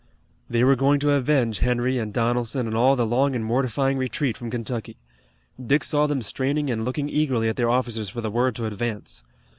They were going to avenge Henry and Donelson and all the long and mortifying retreat from Kentucky. Dick saw them straining and looking eagerly at their officers for the word to advance.